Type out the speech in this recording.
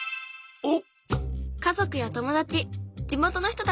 おっ！